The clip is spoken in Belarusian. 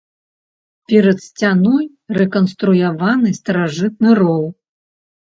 Перад сцяной рэканструяваны старажытны роў.